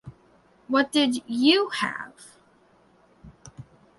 What did "you" have?